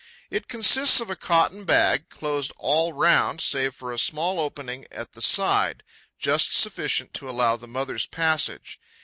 It consists of a cotton bag, closed all round, save for a small opening at the side, just sufficient to allow of the mother's passage.